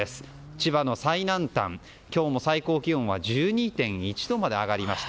千葉の最南端、今日も最高気温は１２．１度まで上がりました。